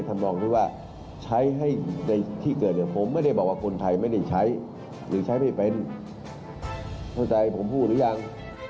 เข้าใจผมพูดหรือยัง